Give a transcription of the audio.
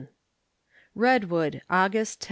Redwood, August 10.